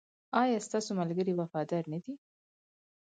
ایا ستاسو ملګري وفادار نه دي؟